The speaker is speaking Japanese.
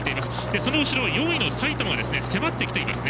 その後ろ４位の埼玉は迫ってきています。